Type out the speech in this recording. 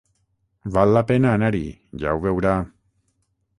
Val la pena anar-hi, ja ho veurà.